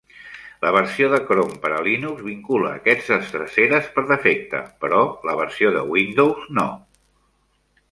La versió de Chrome per a Linux vincula aquestes dreceres per defecte, però la versió de Windows no.